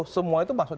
semua itu masuk